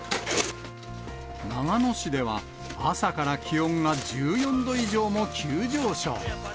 長野市では、朝から気温が１４度以上も急上昇。